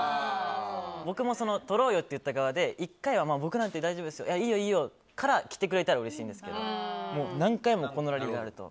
僕も撮ろうよって言った側で１回は僕なんて大丈夫ですいいよ、いいよからうれしいんですけど何回も言われると。